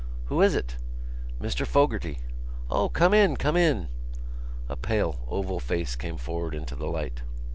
"Who is it?" "Mr Fogarty." "O, come in! come in!" A pale oval face came forward into the light.